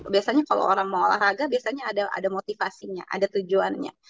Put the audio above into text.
biasanya kalau orang mau olahraga biasanya ada motivasinya ada tujuannya